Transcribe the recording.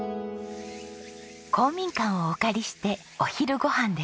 公民館をお借りしてお昼ご飯です。